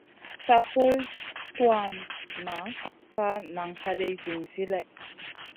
Sa poy guʼ tuwmaʼna, sa nan haday zinzi lèh.